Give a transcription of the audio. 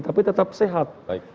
tapi tetap sehat